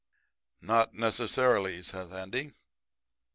"'Not necessarily,' says Andy.